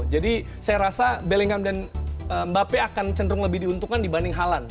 jadi saya rasa bellingham dan mbappe akan cenderung lebih diuntungkan dibanding haalan